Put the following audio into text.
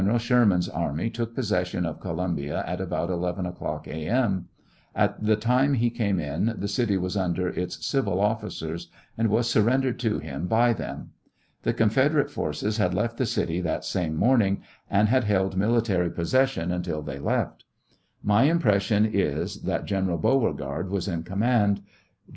Sherman's army took possession of Columbia at about 11 o'clock, A. M. At the time he came in, the city was under its civil officers, and was surrendered to him by them. The Confederate forces had left the city that same morning, and had held military possession until they left. My impression is, that Gen. Beaucegard was in command. Gen.